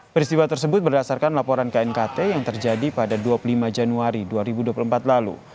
peristiwa tersebut berdasarkan laporan knkt yang terjadi pada dua puluh lima januari dua ribu dua puluh empat lalu